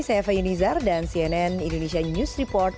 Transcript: saya faye nizar dan cnn indonesia news report